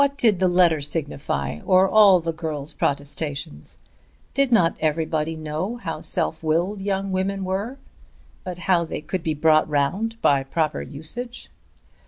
What did the letter signify, or all the girl's protestations? Did not everybody know how self willed young women were; but how they could be brought round by proper usage?